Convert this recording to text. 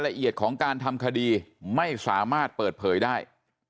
ละเอียดของการทำคดีไม่สามารถเปิดเผยได้